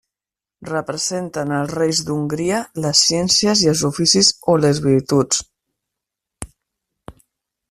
Representen els Reis d'Hongria, les ciències i els oficis o les virtuts.